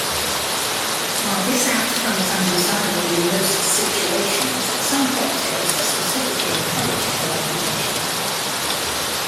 While this outcome is undesirable in most situations, some cocktails specifically encourage coagulation.